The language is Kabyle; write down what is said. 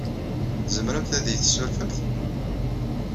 Tzemremt ad iyi-tessurfemt?